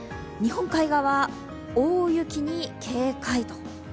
日本海側、大雪に警戒。